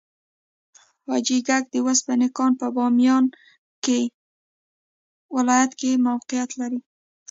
د حاجي ګک د وسپنې کان په بامیان ولایت کې موقعیت لري.